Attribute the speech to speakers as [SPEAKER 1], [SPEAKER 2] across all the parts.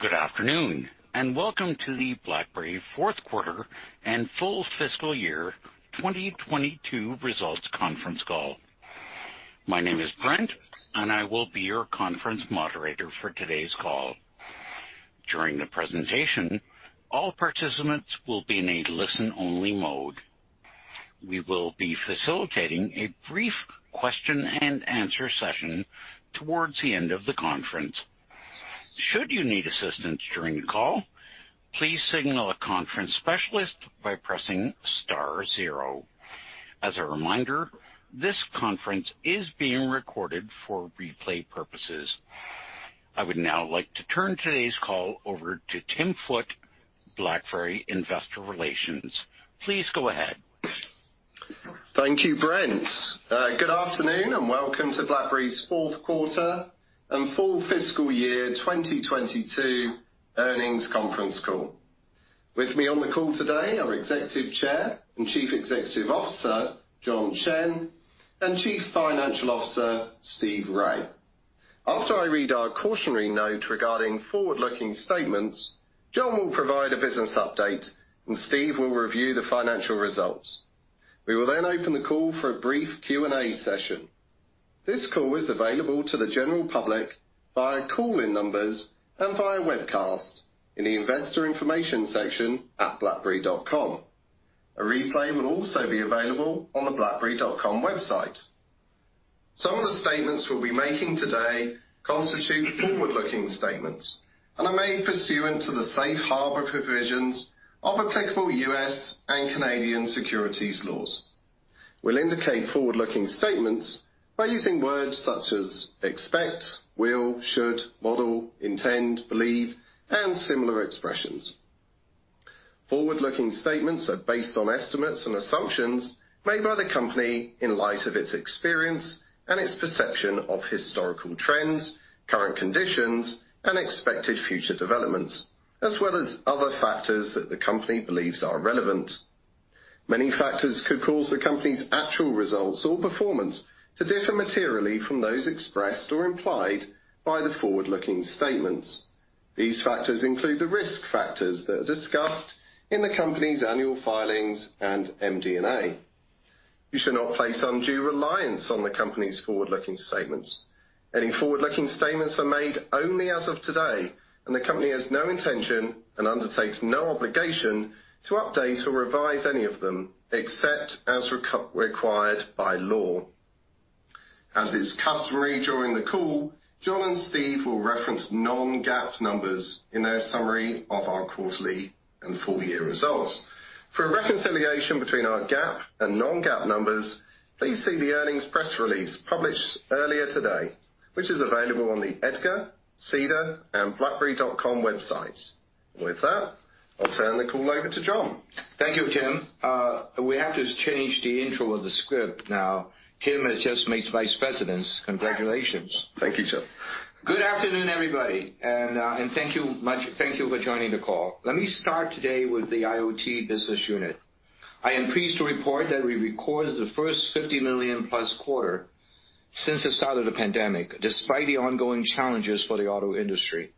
[SPEAKER 1] Good afternoon, and welcome to the BlackBerry Fourth Quarter and Full Fiscal Year 2022 Results Conference Call. My name is Brent, and I will be your conference moderator for today's call. During the presentation, all participants will be in a listen-only mode. We will be facilitating a brief question and answer session towards the end of the conference. Should you need assistance during the call, please signal a conference specialist by pressing star zero. As a reminder, this conference is being recorded for replay purposes. I would now like to turn today's call over to Tim Foote, BlackBerry Investor Relations. Please go ahead.
[SPEAKER 2] Thank you, Brent. Good afternoon, and welcome to BlackBerry's Fourth Quarter and Full Fiscal Year 2022 Earnings Conference Call. With me on the call today, our Executive Chair and Chief Executive Officer, John Chen, and Chief Financial Officer, Steve Rai. After I read our cautionary note regarding forward-looking statements, John will provide a business update, and Steve will review the financial results. We will then open the call for a brief Q&A session. This call is available to the general public via call-in numbers and via webcast in the investor information section at blackberry.com. A replay will also be available on the blackberry.com website. Some of the statements we'll be making today constitute forward-looking statements and are made pursuant to the safe harbor provisions of applicable U.S. and Canadian securities laws. We'll indicate forward-looking statements by using words such as expect, will, should, would, intend, believe, and similar expressions. Forward-looking statements are based on estimates and assumptions made by the company in light of its experience and its perception of historical trends, current conditions, and expected future developments, as well as other factors that the company believes are relevant. Many factors could cause the company's actual results or performance to differ materially from those expressed or implied by the forward-looking statements. These factors include the risk factors that are discussed in the company's annual filings and MD&A. You should not place undue reliance on the company's forward-looking statements. Any forward-looking statements are made only as of today, and the company has no intention and undertakes no obligation to update or revise any of them except as required by law. As is customary during the call, John and Steve will reference non-GAAP numbers in their summary of our quarterly and full year results. For a reconciliation between our GAAP and non-GAAP numbers, please see the earnings press release published earlier today, which is available on the EDGAR, SEDAR, and blackberry.com websites. With that, I'll turn the call over to John.
[SPEAKER 3] Thank you, Tim. We have to change the intro of the script now. Tim has just been made Vice President. Congratulations.
[SPEAKER 2] Thank you, sir.
[SPEAKER 3] Good afternoon, everybody, and thank you much. Thank you for joining the call. Let me start today with the IoT business unit. I am pleased to report that we recorded the first $50 million+ quarter since the start of the pandemic, despite the ongoing challenges for the auto industry.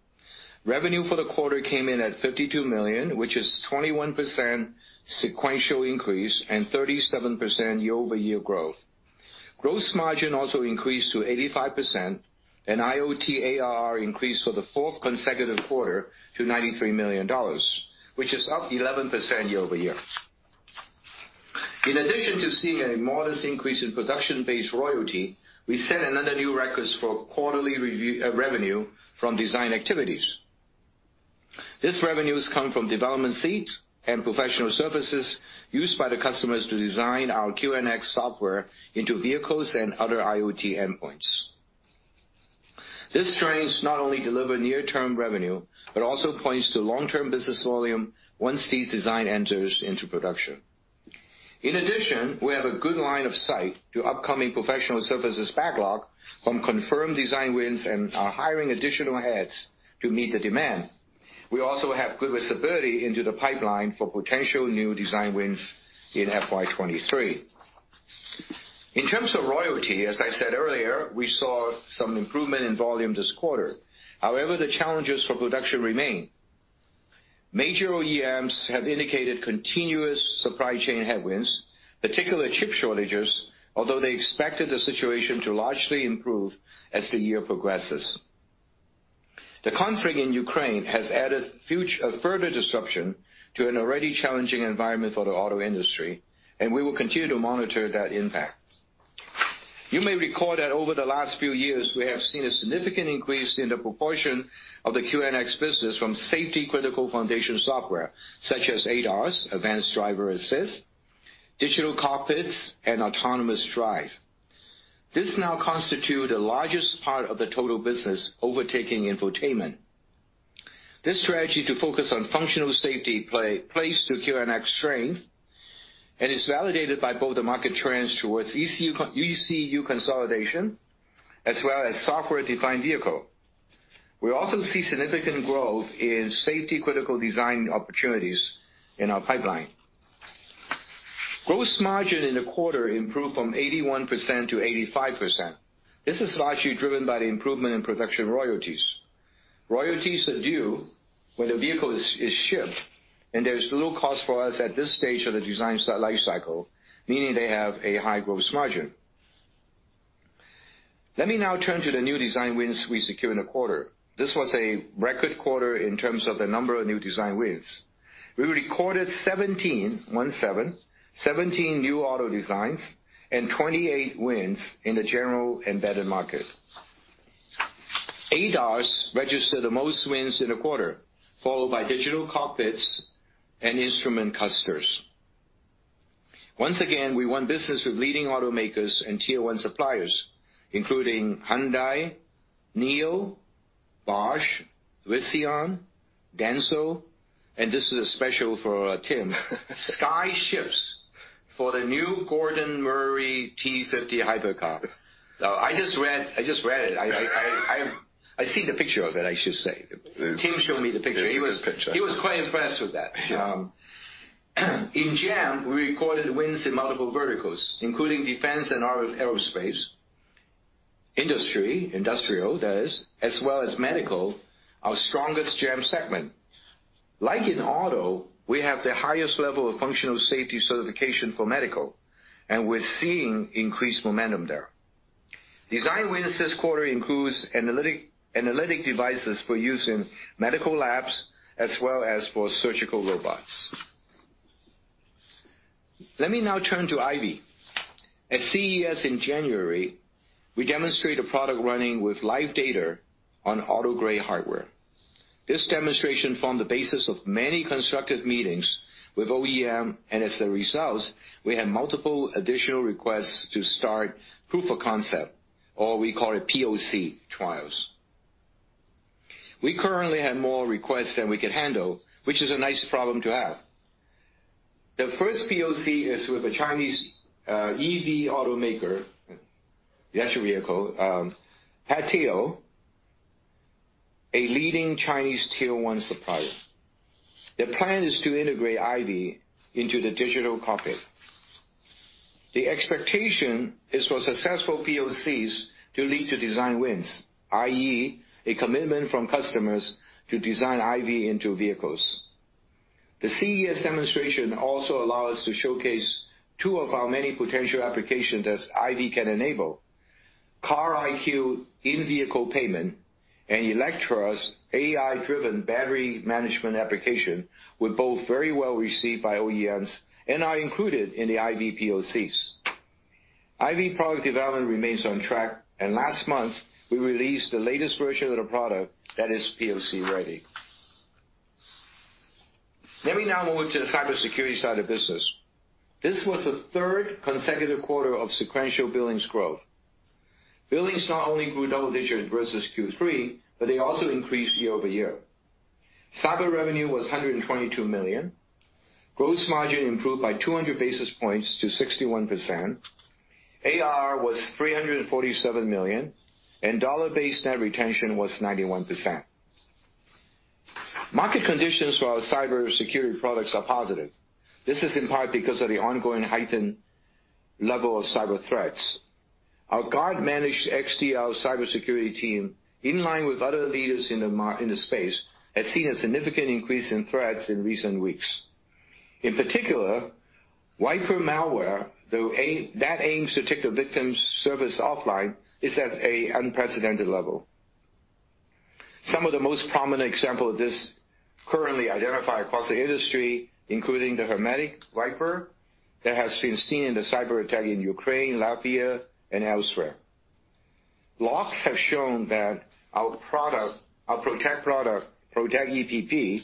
[SPEAKER 3] Revenue for the quarter came in at $52 million, which is 21% sequential increase and 37% year-over-year growth. Gross margin also increased to 85% and IoT ARR increased for the fourth consecutive quarter to $93 million, which is up 11% year-over-year. In addition to seeing a modest increase in production-based royalty, we set another new record for quarterly royalty revenue from design activities. These revenues come from development seats and professional services used by the customers to design our QNX software into vehicles and other IoT endpoints. These trends not only deliver near-term revenue, but also point to long-term business volume once these designs enter production. In addition, we have a good line of sight to upcoming professional services backlog from confirmed design wins and are hiring additional heads to meet the demand. We also have good visibility into the pipeline for potential new design wins in FY 2023. In terms of royalty, as I said earlier, we saw some improvement in volume this quarter. However, the challenges for production remain. Major OEMs have indicated continuous supply chain headwinds, particularly chip shortages, although they expected the situation to largely improve as the year progresses. The conflict in Ukraine has added a further disruption to an already challenging environment for the auto industry, and we will continue to monitor that impact. You may recall that over the last few years, we have seen a significant increase in the proportion of the QNX business from safety critical foundation software such as ADAS, advanced driver assist, digital cockpits, and autonomous drive. This now constitute the largest part of the total business overtaking infotainment. This strategy to focus on functional safety plays to QNX strength and is validated by both the market trends towards ECU consolidation as well as software-defined vehicle. We also see significant growth in safety critical design opportunities in our pipeline. Gross margin in the quarter improved from 81% to 85%. This is largely driven by the improvement in production royalties. Royalties are due when the vehicle is shipped, and there's low cost for us at this stage of the design lifecycle, meaning they have a high gross margin. Let me now turn to the new design wins we secure in the quarter. This was a record quarter in terms of the number of new design wins. We recorded 17 new auto designs and 28 wins in the general embedded market. ADAS registered the most wins in the quarter, followed by digital cockpits and instrument clusters. Once again, we won business with leading automakers and tier one suppliers, including Hyundai, NIO, Bosch, Visteon, Denso, and this is a special for Tim. Skyships for the new Gordon Murray T.50 hypercar. I just read it. I see the picture of it, I should say.
[SPEAKER 2] Yes.
[SPEAKER 3] Tim showed me the picture.
[SPEAKER 2] There's the picture.
[SPEAKER 3] He was quite impressed with that. In GEM, we recorded wins in multiple verticals, including defense and aerospace, industry, industrial that is, as well as medical, our strongest GEM segment. Like in auto, we have the highest level of functional safety certification for medical, and we're seeing increased momentum there. Design wins this quarter includes analytic devices for use in medical labs as well as for surgical robots. Let me now turn to IVY. At CES in January, we demonstrated a product running with live data on auto-grade hardware. This demonstration formed the basis of many constructive meetings with OEM, and as a result, we had multiple additional requests to start proof of concept, or we call it POC trials. We currently have more requests than we can handle, which is a nice problem to have. The first POC is with a Chinese EV automaker, the actual vehicle, PATEO, a leading Chinese tier one supplier. The plan is to integrate IVY into the digital cockpit. The expectation is for successful POCs to lead to design wins, i.e., a commitment from customers to design IVY into vehicles. The CES demonstration also allow us to showcase two of our many potential applications as IVY can enable. Car IQ in-vehicle payment and Electra's AI-driven battery management application were both very well received by OEMs and are included in the IVY POCs. IVY product development remains on track, and last month, we released the latest version of the product that is POC ready. Let me now move to the cybersecurity side of business. This was the third consecutive quarter of sequential billings growth. Billings not only grew double digits versus Q3, but they also increased year-over-year. Cyber revenue was $122 million. Gross margin improved by 200 basis points to 61%. ARR was $347 million, and dollar-based net retention was 91%. Market conditions for our cybersecurity products are positive. This is in part because of the ongoing heightened level of cyber threats. Our Guard managed XDR cybersecurity team, in line with other leaders in the space, has seen a significant increase in threats in recent weeks. In particular, Wiper malware that aims to take the victim's service offline is at an unprecedented level. Some of the most prominent examples of this currently identified across the industry, including the HermeticWiper that has been seen in the cyberattack in Ukraine, Latvia and elsewhere. Logs have shown that our CylancePROTECT product, CylancePROTECT EPP,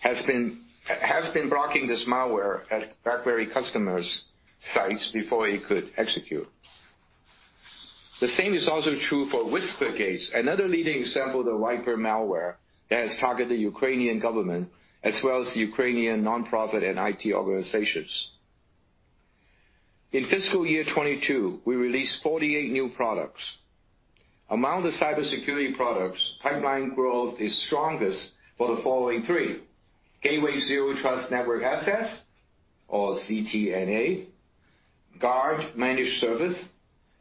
[SPEAKER 3] has been blocking this malware at BlackBerry customers' sites before it could execute. The same is also true for WhisperGate, another leading example of the Wiper malware that has targeted the Ukrainian government as well as the Ukrainian nonprofit and IT organizations. In fiscal year 2022, we released 48 new products. Among the cybersecurity products, pipeline growth is strongest for the following three: Gateway Zero Trust Network Access or ZTNA, Guard Managed Service,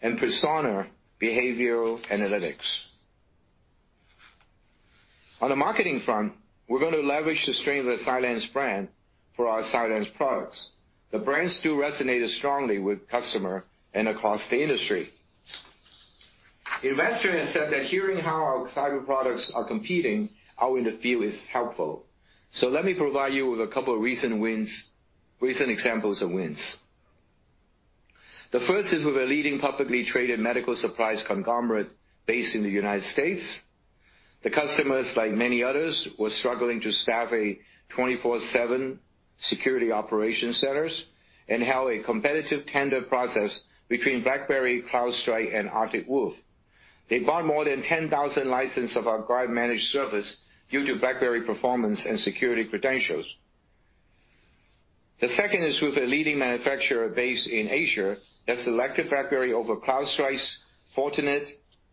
[SPEAKER 3] and Persona Behavioral Analytics. On the marketing front, we're gonna leverage the strength of the Cylance brand for our Cylance products. The brand still resonated strongly with customers and across the industry. Investors have said that hearing how our cyber products are competing out in the field is helpful. Let me provide you with a couple of recent wins, recent examples of wins. The first is with a leading publicly traded medical supplies conglomerate based in the United States. The customers, like many others, were struggling to staff a 24/7 security operation centers and have a competitive tender process between BlackBerry, CrowdStrike and Arctic Wolf. They bought more than 10,000 licenses of our Guard managed service due to BlackBerry performance and security credentials. The second is with a leading manufacturer based in Asia that selected BlackBerry over CrowdStrike, Fortinet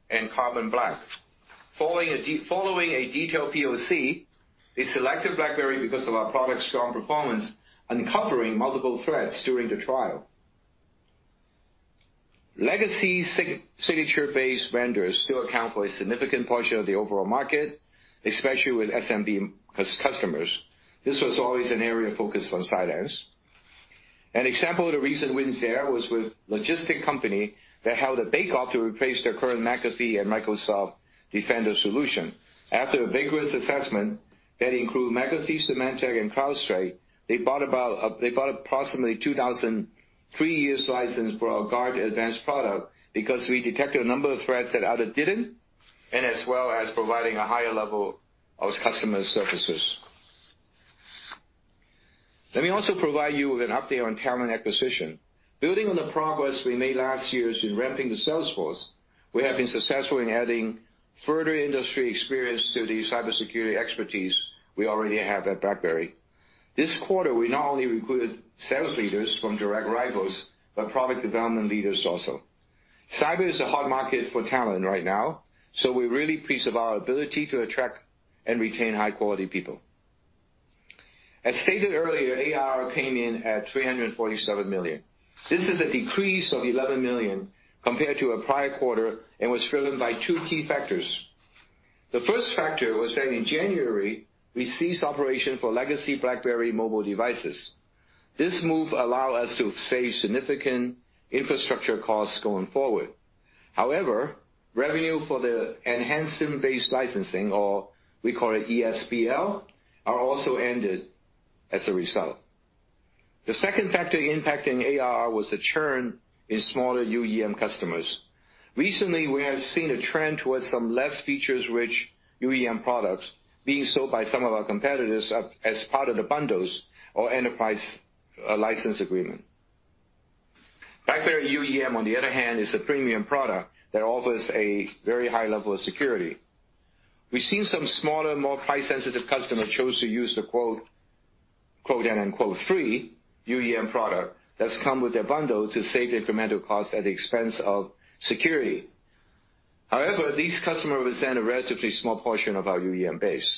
[SPEAKER 3] and Carbon Black. Following a detailed POC, they selected BlackBerry because of our product's strong performance, uncovering multiple threats during the trial. Legacy signature-based vendors still account for a significant portion of the overall market, especially with SMB customers. This was always an area of focus for Cylance. An example of the recent wins there was with logistics company that held a bake-off to replace their current McAfee and Microsoft Defender solution. After a vigorous assessment that included McAfee, Symantec and CrowdStrike, they bought approximately 2,000 three-year license for our Guard advanced product because we detected a number of threats that others didn't, and as well as providing a higher level of customer services. Let me also provide you with an update on talent acquisition. Building on the progress we made last year in ramping the sales force, we have been successful in adding further industry experience to the cybersecurity expertise we already have at BlackBerry. This quarter, we not only recruited sales leaders from direct rivals, but product development leaders also. Cyber is a hot market for talent right now, so we're really pleased of our ability to attract and retain high-quality people. As stated earlier, ARR came in at $347 million. This is a decrease of $11 million compared to a prior quarter and was driven by two key factors. The first factor was that in January, we ceased operation for legacy BlackBerry mobile devices. This move allow us to save significant infrastructure costs going forward. However, revenue for the enhanced SIM-based licensing, or we call it ESBL, are also ended as a result. The second factor impacting ARR was the churn in smaller UEM customers. Recently, we have seen a trend towards some less features-rich UEM products being sold by some of our competitors as part of the bundles or enterprise license agreement. BlackBerry UEM, on the other hand, is a premium product that offers a very high level of security. We've seen some smaller, more price-sensitive customers choose to use the 'free' UEM product that's come with their bundle to save the incremental cost at the expense of security. However, these customers represent a relatively small portion of our UEM base.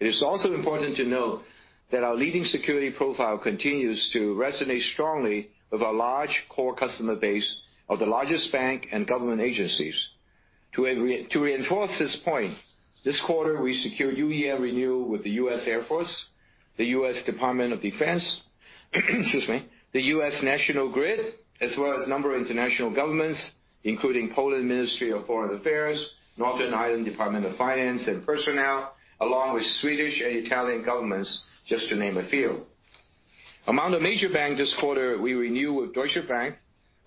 [SPEAKER 3] It is also important to note that our leading security profile continues to resonate strongly with our large core customer base of the largest bank and government agencies. To reinforce this point, this quarter we secured UEM renewal with the U.S. Air Force, the U.S. Department of Defense, excuse me, the U.S. National Guard, as well as a number of international governments, including Polish Ministry of Foreign Affairs, Northern Ireland Department of Finance and Personnel, along with Swedish and Italian governments, just to name a few. Among the major banks this quarter, we renew with Deutsche Bank,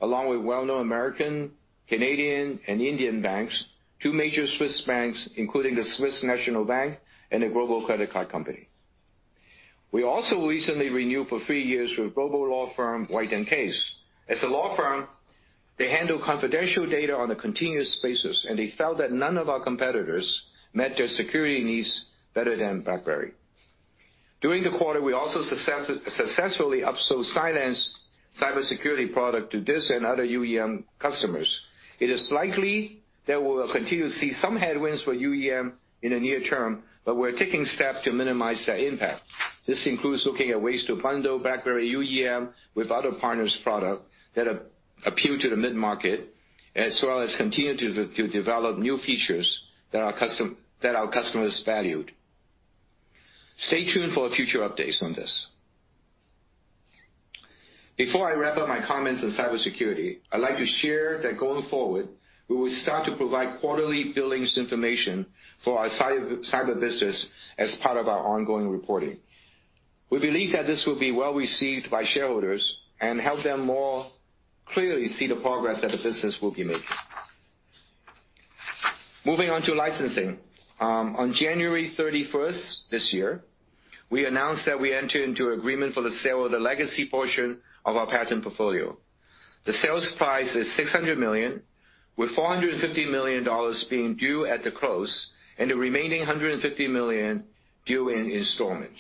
[SPEAKER 3] along with well-known American, Canadian, and Indian banks, two major Swiss banks, including the Swiss National Bank and a global credit card company. We also recently renewed for three years with global law firm White & Case. As a law firm, they handle confidential data on a continuous basis, and they felt that none of our competitors met their security needs better than BlackBerry. During the quarter, we also successfully upsold Cylance cybersecurity product to this and other UEM customers. It is likely that we'll continue to see some headwinds for UEM in the near term, but we're taking steps to minimize that impact. This includes looking at ways to bundle BlackBerry UEM with other partners' product that appeal to the mid-market, as well as continue to develop new features that our customers valued. Stay tuned for future updates on this. Before I wrap up my comments on cybersecurity, I'd like to share that going forward, we will start to provide quarterly billings information for our cyber business as part of our ongoing reporting. We believe that this will be well-received by shareholders and help them more clearly see the progress that the business will be making. Moving on to licensing. On January 31st this year, we announced that we entered into agreement for the sale of the legacy portion of our patent portfolio. The sales price is $600 million, with $450 million being due at the close and the remaining $150 million due in installments.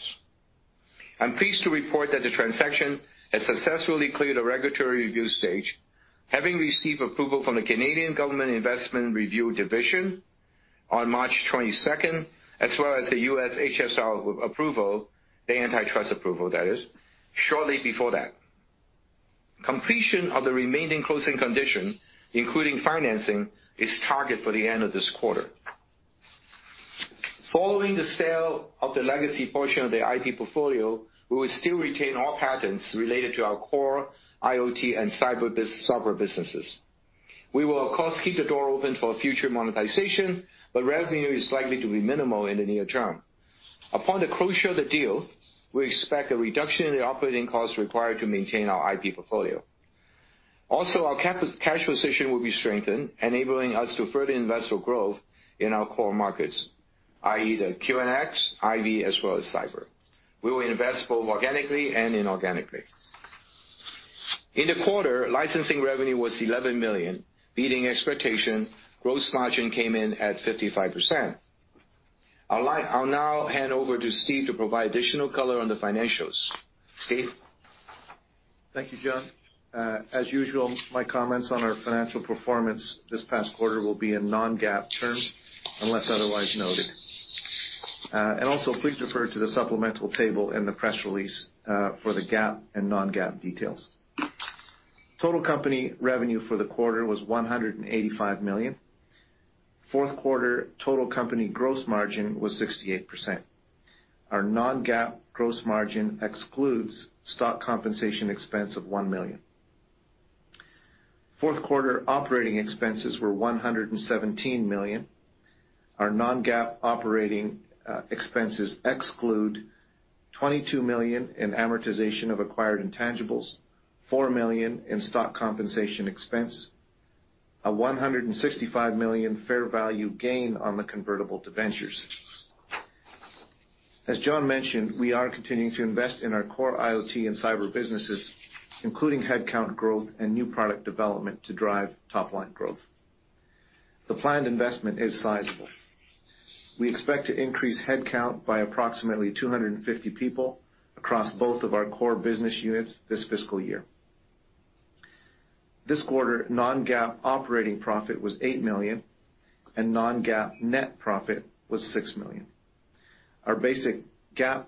[SPEAKER 3] I'm pleased to report that the transaction has successfully cleared a regulatory review stage, having received approval from the Canadian Government Investment Review Division on March 22, as well as the U.S. HSR approval, the antitrust approval that is, shortly before that. Completion of the remaining closing condition, including financing, is targeted for the end of this quarter. Following the sale of the legacy portion of the IP portfolio, we will still retain all patents related to our core IoT and cybersecurity software businesses. We will of course, keep the door open for future monetization, but revenue is likely to be minimal in the near term. Upon the closure of the deal, we expect a reduction in the operating costs required to maintain our IP portfolio. Also, our cash position will be strengthened, enabling us to further invest for growth in our core markets, i.e., the QNX, IVY, as well as cyber. We will invest both organically and inorganically. In the quarter, licensing revenue was $11 million, beating expectation. Gross margin came in at 55%. I'll now hand over to Steve to provide additional color on the financials. Steve?
[SPEAKER 4] Thank you, John. As usual, my comments on our financial performance this past quarter will be in non-GAAP terms unless otherwise noted. Also please refer to the supplemental table in the press release, for the GAAP and non-GAAP details. Total company revenue for the quarter was $185 million. Fourth quarter total company gross margin was 68%. Our non-GAAP gross margin excludes stock compensation expense of $1 million. Fourth quarter operating expenses were $117 million. Our non-GAAP operating expenses exclude $22 million in amortization of acquired intangibles, $4 million in stock compensation expense, a $165 million fair value gain on the convertible debentures. As John mentioned, we are continuing to invest in our core IoT and cyber businesses, including headcount growth and new product development to drive top line growth. The planned investment is sizable. We expect to increase headcount by approximately 250 people across both of our core business units this fiscal year. This quarter, non-GAAP operating profit was $8 million, and non-GAAP net profit was $6 million. Our basic GAAP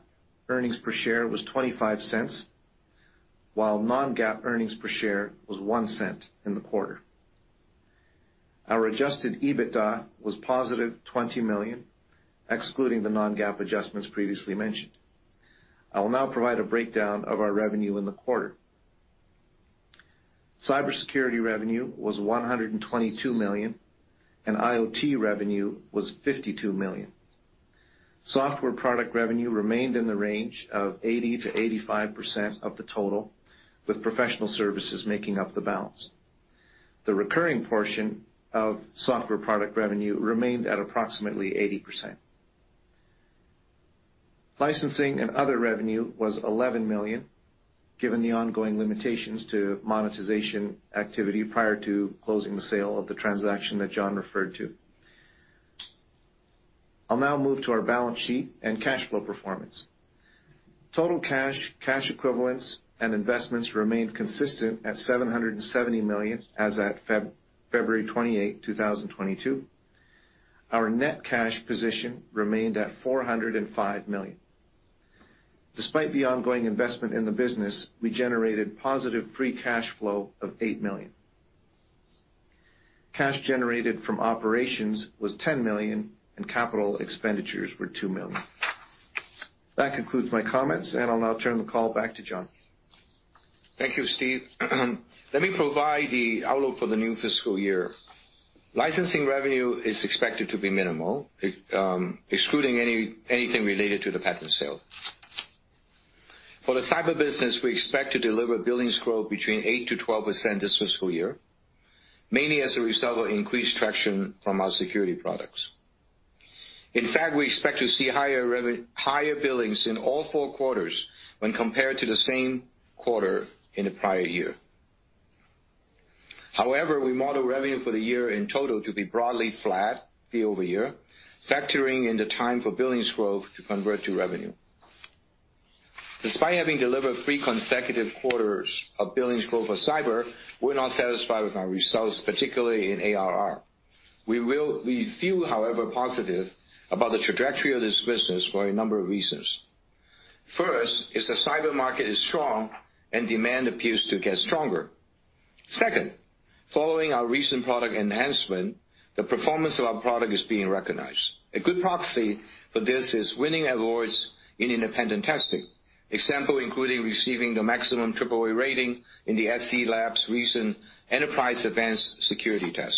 [SPEAKER 4] earnings per share was $0.25, while non-GAAP earnings per share was $0.01 in the quarter. Our adjusted EBITDA was positive $20 million, excluding the non-GAAP adjustments previously mentioned. I will now provide a breakdown of our revenue in the quarter. Cybersecurity revenue was $122 million, and IoT revenue was $52 million. Software product revenue remained in the range of 80%-85% of the total, with professional services making up the balance. The recurring portion of software product revenue remained at approximately 80%. Licensing and other revenue was $11 million, given the ongoing limitations to monetization activity prior to closing the sale of the transaction that John referred to. I'll now move to our balance sheet and cash flow performance. Total cash equivalents and investments remained consistent at $770 million as at February 28, 2022. Our net cash position remained at $405 million. Despite the ongoing investment in the business, we generated positive free cash flow of $8 million. Cash generated from operations was $10 million, and capital expenditures were $2 million. That concludes my comments, and I'll now turn the call back to John.
[SPEAKER 3] Thank you, Steve. Let me provide the outlook for the new fiscal year. Licensing revenue is expected to be minimal, excluding anything related to the patent sale. For the cyber business, we expect to deliver billings growth between 8%-12% this fiscal year, mainly as a result of increased traction from our security products. In fact, we expect to see higher billings in all four quarters when compared to the same quarter in the prior year. However, we model revenue for the year in total to be broadly flat year-over-year, factoring in the time for billings growth to convert to revenue. Despite having delivered three consecutive quarters of billings growth for cyber, we're not satisfied with our results, particularly in ARR. We feel, however, positive about the trajectory of this business for a number of reasons. First, the cyber market is strong and demand appears to get stronger. Second, following our recent product enhancement, the performance of our product is being recognized. A good proxy for this is winning awards in independent testing, for example, including receiving the maximum AAA rating in the SE Labs' recent Enterprise Advanced Security Test.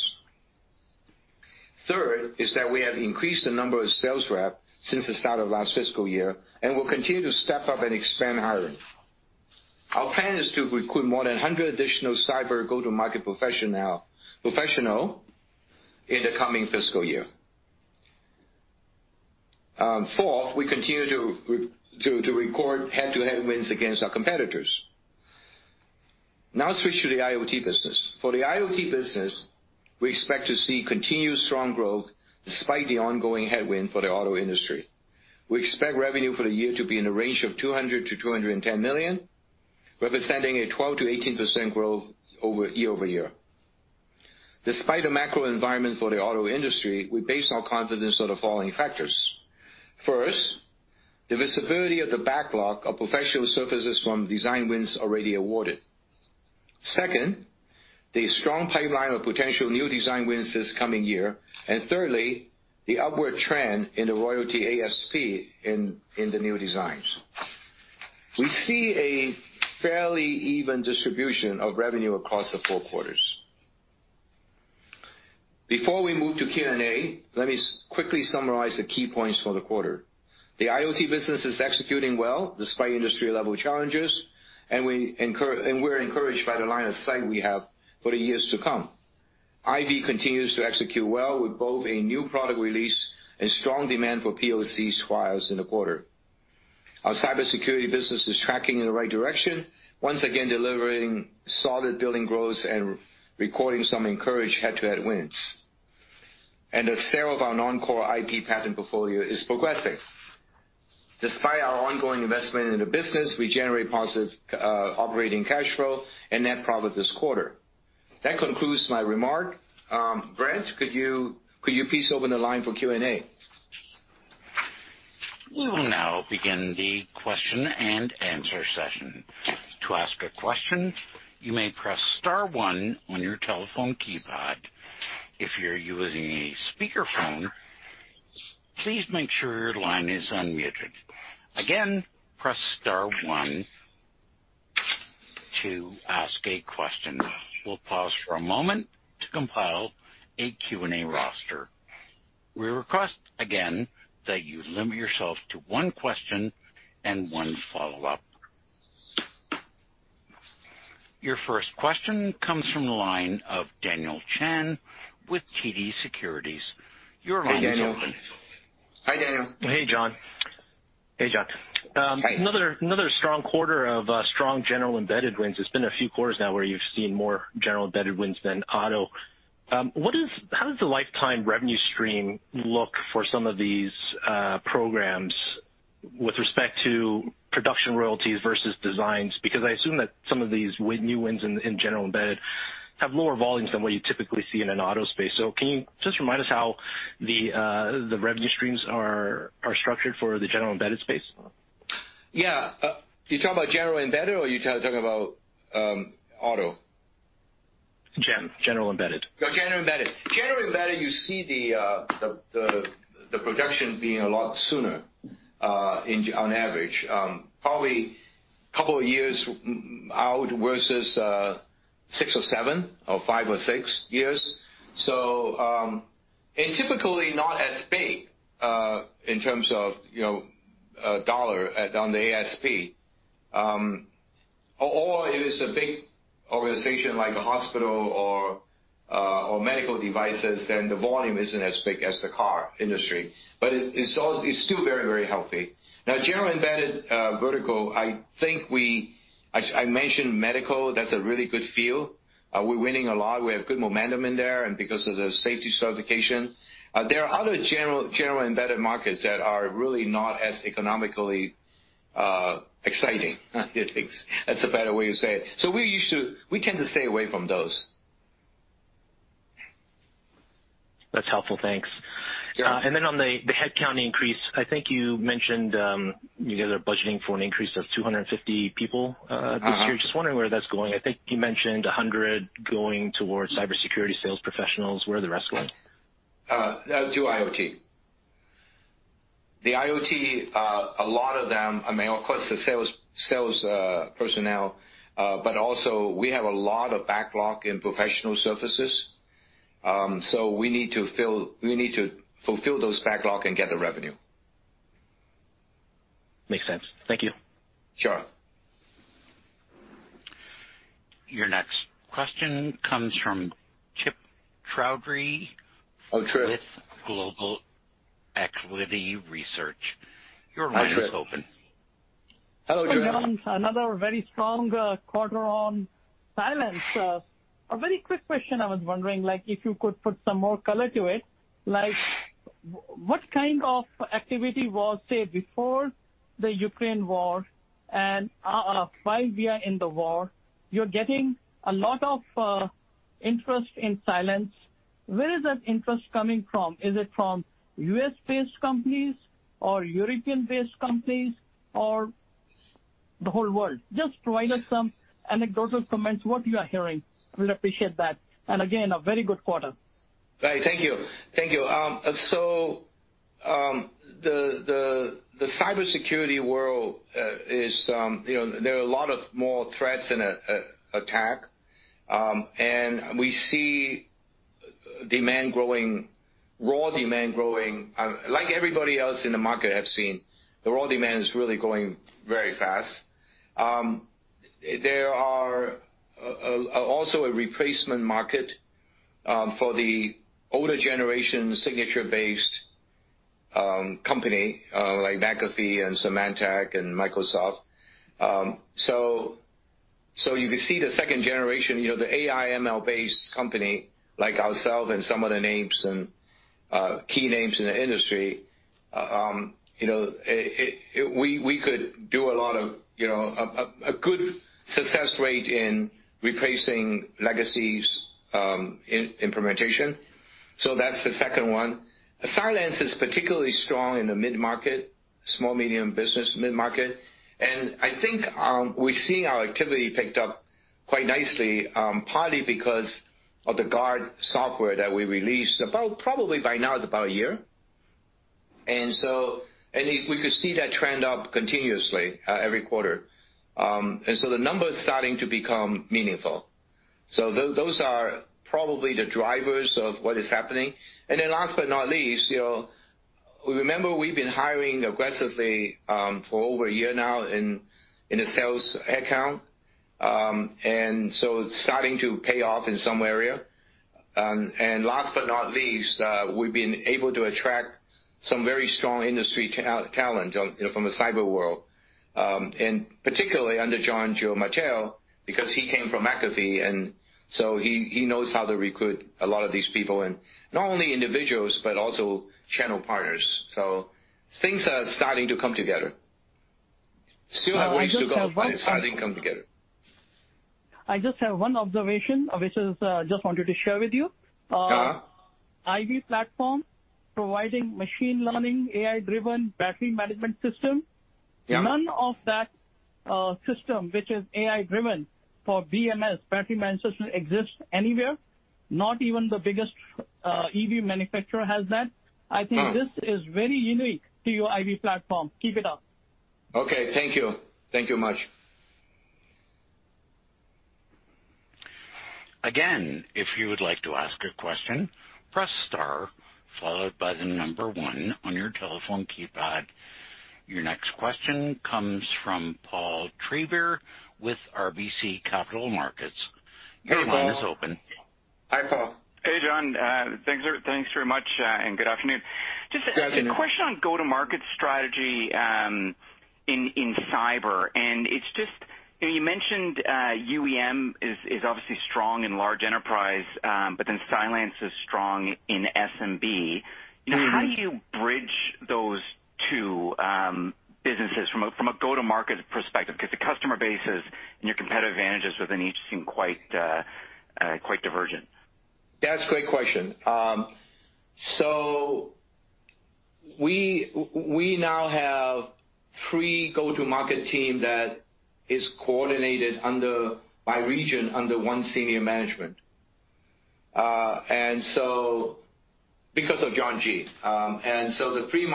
[SPEAKER 3] Third, we have increased the number of sales reps since the start of last fiscal year and will continue to step up and expand hiring. Our plan is to recruit more than 100 additional cyber go-to-market professionals in the coming fiscal year. Fourth, we continue to record head-to-head wins against our competitors. Now let's switch to the IoT business. For the IoT business, we expect to see continued strong growth despite the ongoing headwind for the auto industry. We expect revenue for the year to be in the range of $200 million-$210 million, representing 12%-18% growth year-over-year. Despite the macro environment for the auto industry, we base our confidence on the following factors. First, the visibility of the backlog of professional services from design wins already awarded. Second, the strong pipeline of potential new design wins this coming year. Thirdly, the upward trend in the royalty ASP in the new designs. We see a fairly even distribution of revenue across the four quarters. Before we move to Q&A, let me quickly summarize the key points for the quarter. The IoT business is executing well despite industry level challenges, and we're encouraged by the line of sight we have for the years to come. IVY continues to execute well with both a new product release and strong demand for POC trials in the quarter. Our cybersecurity business is tracking in the right direction, once again delivering solid billing growth and recording some encouraging head-to-head wins. The sale of our non-core IP patent portfolio is progressing. Despite our ongoing investment in the business, we generate positive operating cash flow and net profit this quarter. That concludes my remark. Brent, could you please open the line for Q&A?
[SPEAKER 1] We will now begin the question and answer session. To ask a question, you may press star one on your telephone keypad. If you're using a speakerphone, please make sure your line is unmuted. Again, press star one to ask a question. We'll pause for a moment to compile a Q&A roster. We request again that you limit yourself to one question and one follow-up. Your first question comes from the line of Daniel Chan with TD Securities. Your line is open.
[SPEAKER 3] Hey, Daniel.
[SPEAKER 5] Hey, John. Another strong quarter of strong general embedded wins. It's been a few quarters now where you've seen more general embedded wins than auto. How does the lifetime revenue stream look for some of these programs with respect to production royalties versus designs? Because I assume that some of these new wins in general embedded have lower volumes than what you typically see in an auto space. Can you just remind us how the revenue streams are structured for the general embedded space?
[SPEAKER 3] Yeah. You talking about general embedded or are you talking about auto?
[SPEAKER 5] General embedded.
[SPEAKER 3] General embedded, you see the production being a lot sooner, on average, probably a couple of years out versus six or seven or five or six years. Typically not as big in terms of, you know, dollar on the ASP. Or if it's a big organization like a hospital or medical devices, then the volume isn't as big as the car industry. It's still very, very healthy. Now, general embedded vertical, I think I mentioned medical. That's a really good field. We're winning a lot. We have good momentum in there and because of the safety certification. There are other general embedded markets that are really not as economically exciting, I think. That's a better way to say it. We tend to stay away from those.
[SPEAKER 5] That's helpful. Thanks.
[SPEAKER 3] Yeah.
[SPEAKER 5] And on the headcount increase, I think you mentioned you guys are budgeting for an increase of 250 people. This year. Just wondering where that's going. I think you mentioned 100 going towards cybersecurity sales professionals. Where are the rest going?
[SPEAKER 3] To IoT. The IoT, a lot of them, I mean, of course the sales personnel, but also we have a lot of backlog in professional services. We need to fulfill those backlog and get the revenue.
[SPEAKER 5] Makes sense. Thank you.
[SPEAKER 3] Sure.
[SPEAKER 1] Your next question comes from Trip Chowdhry-
[SPEAKER 3] Oh, Trip
[SPEAKER 1] with Global Equity Research.
[SPEAKER 3] Hi, Trip.
[SPEAKER 1] Your line is open.
[SPEAKER 3] Hello, Trip.
[SPEAKER 6] Hi, John. Another very strong quarter on Cylance. A very quick question. I was wondering, like, if you could put some more color to it. Like, what kind of activity was, say, before the Ukraine war and five years in the war? You're getting a lot of interest in Cylance. Where is that interest coming from? Is it from U.S.-based companies or European-based companies or the whole world? Just provide us some anecdotal comments what you are hearing. We'll appreciate that. Again, a very good quarter.
[SPEAKER 3] Right. Thank you. The cybersecurity world, you know, there are a lot more threats and an attack. We see demand growing, raw demand growing. Like everybody else in the market I've seen, the raw demand is really growing very fast. There are also a replacement market for the older generation signature-based company like McAfee and Symantec and Microsoft. You could see the second generation, you know, the AI, ML-based company like ourself and some of the names and key names in the industry. You know, we could do a lot of, you know, a good success rate in replacing legacy's implementation. That's the second one. Cylance is particularly strong in the mid-market, small/medium business mid-market. I think we're seeing our activity picked up quite nicely, partly because of the Guard software that we released about probably by now is about a year. We could see that trend up continuously, every quarter. The numbers starting to become meaningful. Those are probably the drivers of what is happening. Then last but not least, you know, remember we've been hiring aggressively, for over a year now in the sales headcount. It's starting to pay off in some area. Last but not least, we've been able to attract some very strong industry talent, you know, from the cyber world. Particularly under John Giamatteo. Because he came from McAfee and so he knows how to recruit a lot of these people and not only individuals, but also channel partners. Things are starting to come together. Still have ways to go, but it's starting to come together.
[SPEAKER 6] I just have one observation, which is, just wanted to share with you.
[SPEAKER 3] Uh-huh.
[SPEAKER 6] IVY platform providing machine learning, AI-driven battery management system.
[SPEAKER 3] Yeah.
[SPEAKER 6] None of that system, which is AI-driven for BMS, battery management system, exists anywhere, not even the biggest EV manufacturer has that. I think this is very unique to your IVY platform. Keep it up.
[SPEAKER 3] Okay. Thank you. Thank you much.
[SPEAKER 1] Again, if you would like to ask a question, press star followed by the number one on your telephone keypad. Your next question comes from Paul Treiber with RBC Capital Markets. Your line is open.
[SPEAKER 3] Hi, Paul.
[SPEAKER 7] Hey, John. Thanks very much, and good afternoon. Just a question on go-to-market strategy in cyber, and it's just, you mentioned UEM is obviously strong in large enterprise, but then Cylance is strong in SMB. How do you bridge those two businesses from a go-to-market perspective? Because the customer bases and your competitive advantages within each seem quite divergent.
[SPEAKER 3] That's a great question. We now have three go-to-market team that is coordinated by region under one senior management. Because of John Giamatteo, the three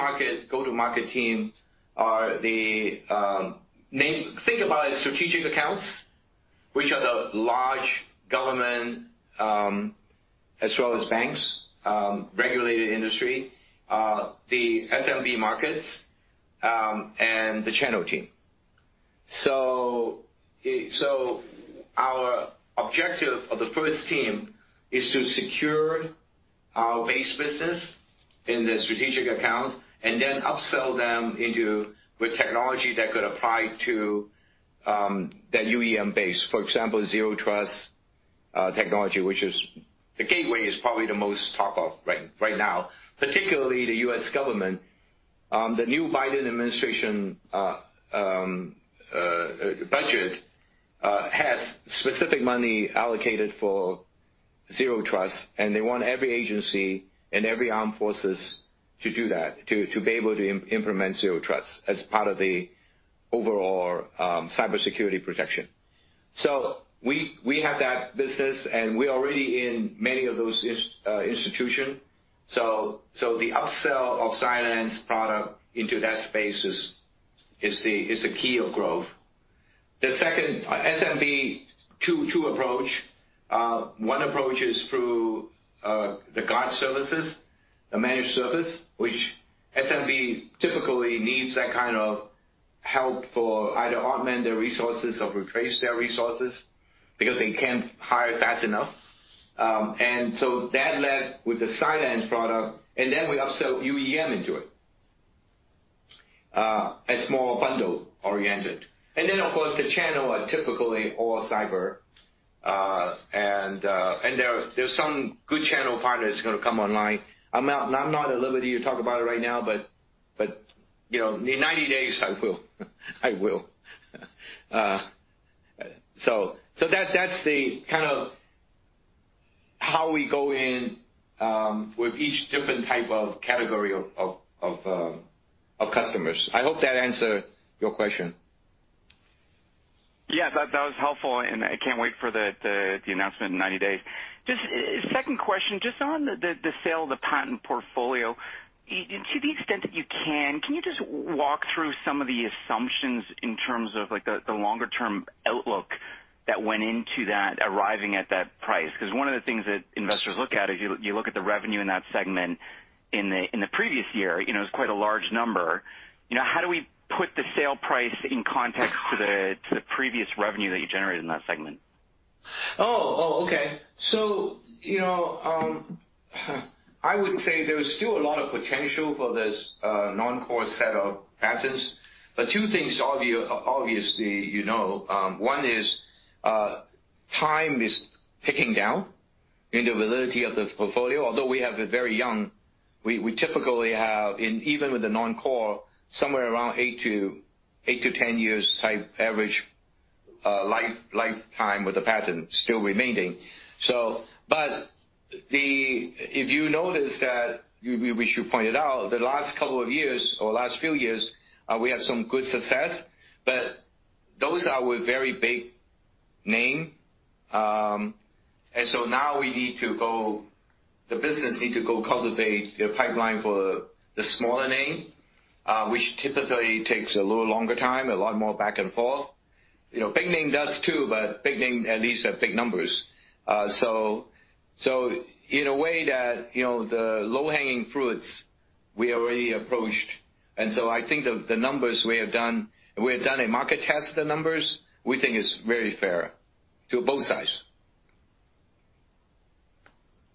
[SPEAKER 3] go-to-market team are the strategic accounts, which are the large government as well as banks, regulated industry, the SMB markets, and the channel team. Our objective of the first team is to secure our base business in the strategic accounts and then upsell them with technology that could apply to that UEM base. For example, Zero Trust technology, which is the Gateway, is probably the most talked about right now, particularly the U.S. government. The new Biden administration budget has specific money allocated for Zero Trust, and they want every agency and every armed forces to do that, to be able to implement Zero Trust as part of the overall cybersecurity protection. We have that business, and we're already in many of those institutions. The upsell of Cylance product into that space is the key of growth. The second, SMB, two approach. One approach is through the Guard services, the managed service, which SMB typically needs that kind of help for either augment their resources or replace their resources because they can't hire fast enough. That led with the Cylance product, and then we upsell UEM into it, a small bundle oriented. Then, of course, the channel are typically all cyber. There's some good channel partners gonna come online. I'm not at liberty to talk about it right now, but you know, in 90 days, I will. That's the kind of how we go in with each different type of category of customers. I hope that answered your question.
[SPEAKER 7] Yes, that was helpful, and I can't wait for the announcement in 90 days. Just second question, just on the sale of the patent portfolio. To the extent that you can you just walk through some of the assumptions in terms of, like, the longer term outlook that went into that arriving at that price? Because one of the things that investors look at is you look at the revenue in that segment in the previous year, you know, it's quite a large number. You know, how do we put the sale price in context to the previous revenue that you generated in that segment?
[SPEAKER 3] You know, I would say there is still a lot of potential for this non-core set of patents. Two things obvious, obviously, you know. One is time is ticking down in the validity of the portfolio. Although we have it very young, we typically have, even with the non-core, somewhere around 8 to 10 years type average lifetime with the patent still remaining. If you notice that, which you pointed out, the last couple of years or last few years, we have some good success, but those are with very big name. Now the business need to cultivate the pipeline for the smaller name, which typically takes a little longer time, a lot more back and forth. You know, big name does too, but big name at least are big numbers. So in a way that, you know, the low-hanging fruits we already approached. I think the numbers we have done a market test, the numbers we think is very fair to both sides.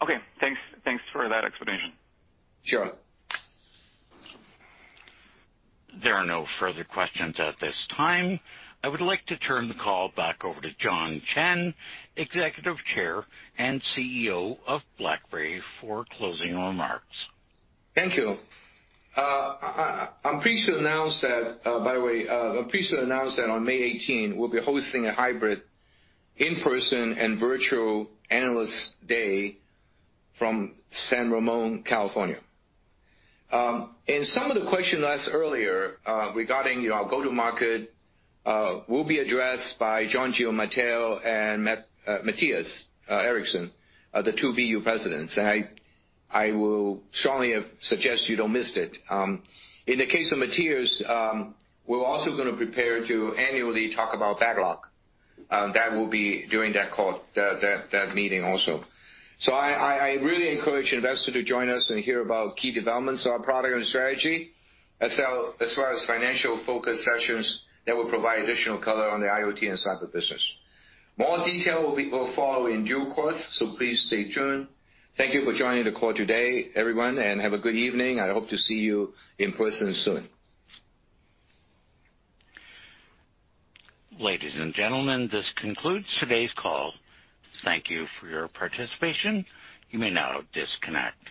[SPEAKER 7] Okay, thanks. Thanks for that explanation.
[SPEAKER 3] Sure.
[SPEAKER 1] There are no further questions at this time. I would like to turn the call back over to John Chen, Executive Chair and CEO of BlackBerry, for closing remarks.
[SPEAKER 3] Thank you. I'm pleased to announce that, by the way, I'm pleased to announce that on May 18, we'll be hosting a hybrid in-person and virtual Analyst Day from San Ramon, California. Some of the questions asked earlier, regarding, you know, our go-to-market, will be addressed by John Giamatteo and Mattias Eriksson, the two BU presidents. I will strongly suggest you don't miss it. In the case of Mattias, we're also gonna prepare to annually talk about backlog, that will be during that call, that meeting also. I really encourage investors to join us and hear about key developments of our product and strategy, as well as financial-focused sessions that will provide additional color on the IoT and cyber business. More detail will follow in due course, so please stay tuned. Thank you for joining the call today, everyone, and have a good evening. I hope to see you in person soon.
[SPEAKER 1] Ladies and gentlemen, this concludes today's call. Thank you for your participation. You may now disconnect.